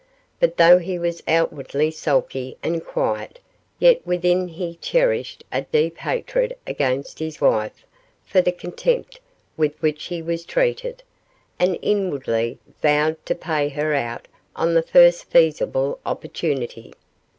But though he was outwardly sulky and quiet, yet within he cherished a deep hatred against his wife for the contempt with which he was treated, and inwardly vowed to pay her out on the first feasible opportunity.